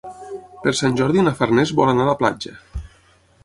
Per Sant Jordi na Farners vol anar a la platja.